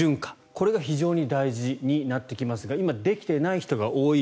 これが非常に大事になってきますが今、できてない人が多い。